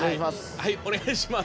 はいお願いします。